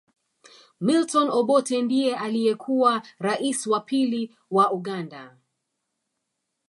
Milton Obote ndiye aliyekuwa raisi wa pili wa Uganda